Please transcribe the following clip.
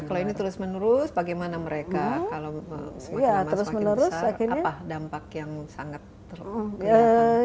kalau ini terus menerus bagaimana mereka kalau semakin lama semakin besar apa dampak yang sangat kelihatan